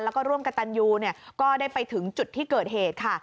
แล้วก็ร่วมกับตันยูก็ได้ไปถึงจุดที่เกิดเหตุค่ะ